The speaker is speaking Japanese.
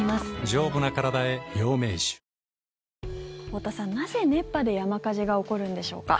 太田さん、なぜ熱波で山火事が起こるんでしょうか。